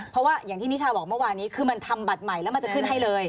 เพราะว่าอย่างที่นิชาบอกเมื่อวานี้คือมันทำบัตรใหม่แล้วมันจะขึ้นให้เลย